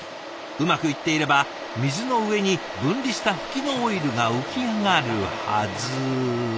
うまくいっていれば水の上に分離したフキのオイルが浮き上がるはず。